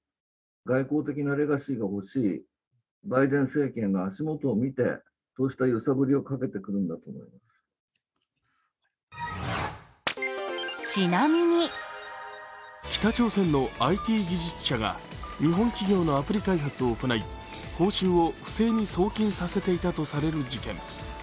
専門家は北朝鮮のＩＴ技術者が日本企業のアプリ開発を行い報酬を不正に送金させていたとされる事件。